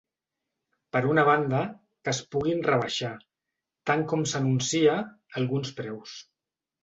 Per una banda, que es puguin rebaixar, tant com s’anuncia, alguns preus.